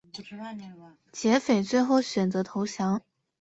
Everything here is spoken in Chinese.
劫匪最后选择投降。